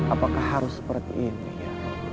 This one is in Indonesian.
apakah harus seperti ini ya